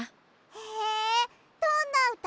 へえどんなうた？